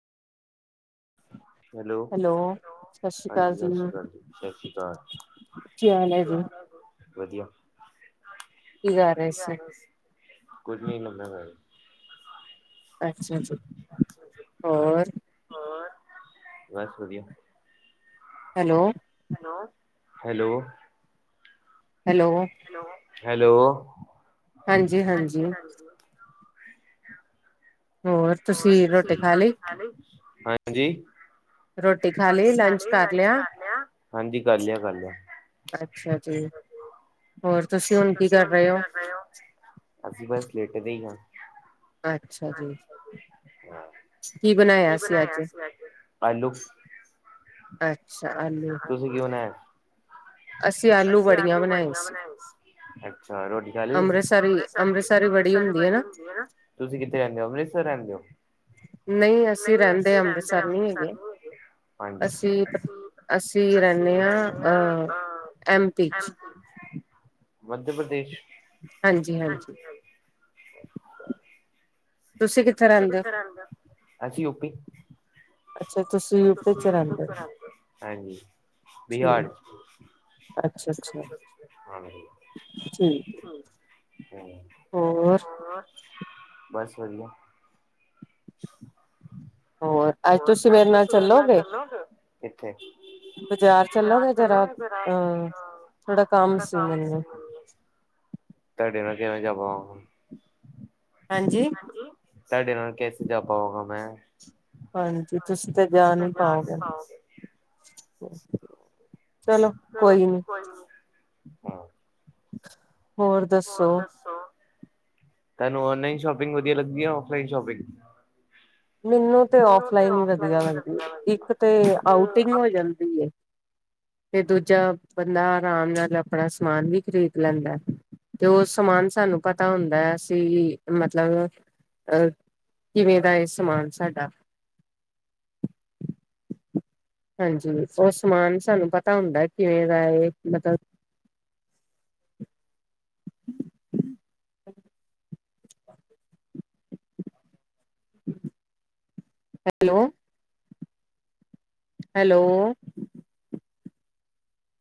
Hello ਹਾਂਜੀ ਸਤਿ ਸ੍ਰੀ ਅਕਾਲ ਜੀ ਸਤਿ ਸ਼੍ਰੀ ਅਕਾਲ। ਵਧੀਆ। ਕੀ ਕਰ ਰਹੇ ਸੀ? ਕੁਝ ਨਹੀਂ [unintelligible] ਅੱਛਾ ਜੀ, ਹੋਰ? ਬਸ ਵਧੀਆ। ਹੈਲੋ। ਹੈਲੋ। ਹੈਲੋ। ਹੈਲੋ। ਹਾਂਜੀ-ਹਾਂਜੀ। [unintelligible] ਹੋਰ ਤੁਸੀ ਰੋਟੀ ਖਾ ਲਈ? ਹਾਂਜੀ। ਹਾਂਜੀ ਕਰ ਲਿਆ ਕਰ ਲਿਆ, ਅਸੀਂ ਬਸ ਲੇਟੇ ਦੇ ਹੀ ਹ। ਅੱਛਾ ਜੀ, ਕੀ ਬਣਾਇਆ ਸੀ ਅੱਜ ਅੱਛਾ ਆਲੂ। ਅਸੀਂ ਆਲੂ ਬੜੀਆ ਬਣਾਈ ਸੀ, ਅੱਛਾ ਰੋਟੀ ਖਾ ਲੀ ਤੁਸੀ, ਅੰਮ੍ਰਿਤਸਰ ਬੜੀ ਹੁੰਦੀ ਹ ਨਾ, ਤੁਸੀਂ ਕਿਤੇ ਜਾਂਦੇ ਹੋ ਅੰਮ੍ਰਿਤਸਰ ਰਹਿੰਦੇ ਹੋ? ਨਹੀਂ ਅਸੀਂ ਰਹਿੰਦੇ ਅੰਮ੍ਰਿਤਸਰ ਨਹੀ ਹੈਗੇ, ਅਸੀਂ ਅਸੀਂ ਰਹਿੰਦੇ ਹਾਂ ਅਹ ਐਮ-ਪੀ ਚ। ਮੱਧ ਪ੍ਰਦੇਸ਼। ਹਾਂਜੀ, ਹਾਂਜੀ। ਅਸੀਂ ਯੂਪੀ, [unintelligible] ਅੱਛਾ-ਅੱਛਾ ਠੀਕ, ਹੋਰ? ਬਸ ਵਧੀਆ। [unintelligible] ਹੋਰ ਅੱਜ ਤੁਸੀਂ ਮੇਰੇ ਨਾਲ ਚਲੋਗੇ, ਬਾਜ਼ਾਰ ਚੱਲੋਗੇ? ਜਰਾ ਥੋੜਾ ਕੰਮ ਸੀ। [unintelligible] ਤੁਹਾਡੇ ਨਾਲ ਕੇ ਵਾ ਗਾ ਮੈਂ। ਹਾਂਜੀ। ਤੁਸੀ ਤੇ ਜਾ ਨ ਪਾਓਗੇ [unintelligible] ਚਲੋ ਕੋਈ ਨੀ। ਹਾਂ। [unintelligible] ਹੋਰ ਦੱਸੋ। ਤੁਹਾਨੂੰ ਓਨਲਾਈਨ ਸ਼ੋਪਿੰਗ ਵਧੀਆ ਲੱਗਦੀ ਹੈ ਔਫਲਾਈਨ ਸ਼ੋਪਿੰਗ। ਮੈਨੂੰ ਤੇ ਔਫਲਾਈ ਹੀ ਵਧੀਆ ਲਗਦੀ ਇੱਕ ਤੇ ਆਊਟਿੰਗ ਹੋ ਜਾਂਦੀ ਐ ਤੇ ਦੂਜਾ ਬੰਦਾ ਆਰਾਮ ਨਾਲ ਆਪਣਾ ਸਮਾਨ ਵੀ ਖ਼ਰੀਦ ਲੈਂਦਾ ਤੇ ਉਹ ਸਮਾਨ ਸਾਨੂੰ ਪਤਾ ਹੁੰਦਾ ਹੈ ਸੀ ਮਤਲਬ ਅਹ ਕਿਵੇਂ ਦਾ ਇਸ ਸਮਾਨ ਸਾਡਾ ਹਾਂਜੀ ਉਹ ਸਮਾਨ ਸਾਨੂੰ ਪਤਾ ਹੁੰਦਾ ਕਿਵੇਂ ਦਾ ਹੈ ਮਤਲਬ। Hello hello